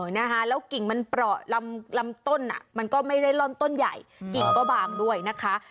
นะคะแล้วกิ่งมันเปราะลำต้นอ่ะมันก็ไม่ได้ล่อนต้นใหญ่กิ่งก็บางด้วยนะคะ